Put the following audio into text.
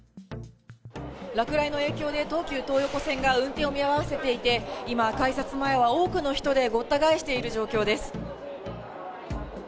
落雷の影響で東急東横線が運転を見合わせていて、今、改札前は多くの人でごった返している状況です。